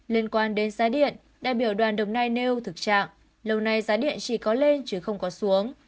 liên quan đến giá điện đại biểu đoàn đồng nai nêu thực trạng lâu nay giá điện chỉ có lên chứ không có xuống